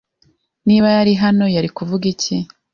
Niba yari hano, yari kuvuga iki?